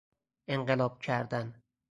انقلاب کردن